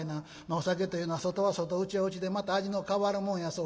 お酒というのは外は外内は内でまた味の変わるもんやそうです。